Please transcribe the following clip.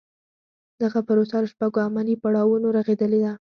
دغه پروسه له شپږو عملي پړاوونو رغېدلې ده.